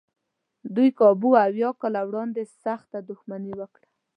دوی کابو اویا کاله وړاندې سخته دښمني وکړه.